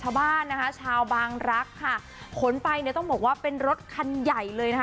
ชาวบ้านนะคะชาวบางรักค่ะขนไปเนี่ยต้องบอกว่าเป็นรถคันใหญ่เลยนะคะ